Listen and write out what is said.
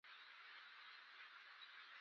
د زیارتونو وروسته یې بېرته سپاري.